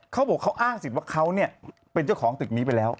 เขาบอกเขาอ้างสิทธิ์ว่าเขาเนี่ยเป็นเจ้าของตึกนี้ไปแล้ว